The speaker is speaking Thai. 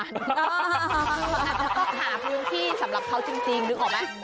อาจจะต้องหาพื้นที่สำหรับเขาจริงนึกออกไหม